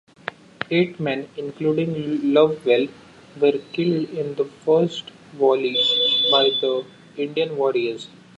Eight men, including Lovewell, were killed in the first volley by the Indian warriors.